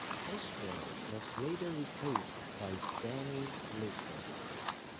Osborne was later replaced by Danny Lilker.